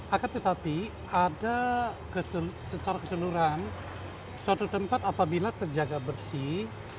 akan tetapi ada secara keseluruhan suatu tempat apabila terjaga bersih